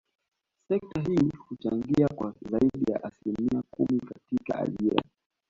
Sekta hii huchangia kwa zaidi ya asilimia kumi katika ajira